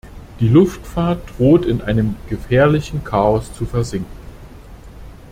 Die Luftfahrt droht in einem gefährlichen Chaos zu versinken.